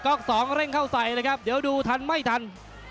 ก็ต้องเปิดก๊อก๒เร่งเข้าใส่เลยครับเดี๋ยวดูทันไม่ทัน